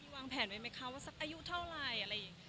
วางแผนไว้ไหมคะว่าสักอายุเท่าไรอะไรอย่างนี้